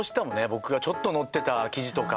僕がちょっと載ってた記事とか。